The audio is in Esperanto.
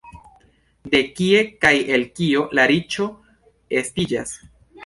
De kie kaj el kio la riĉo estiĝas?